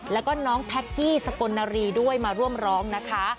แล้วก็น้องแท็กกี้สกลนารีด้วยมาร่วมร้องนะคะ